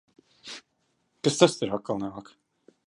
Kas tas tur atkal nāk?